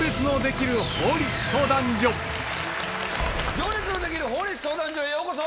『行列のできる法律相談所』へようこそ。